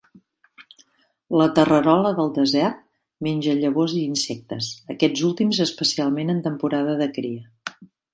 La terrerola del desert menja llavors i insectes, aquests últims especialment en temporada de cria.